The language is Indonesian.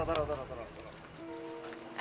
taruh taruh taruh